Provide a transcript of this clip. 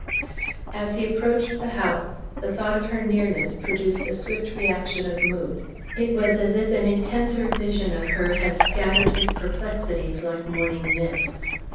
As he approached the house, the thought of her nearness produced a swift reaction of mood. It was as if an intenser vision of her had scattered his perplexities like morning mists.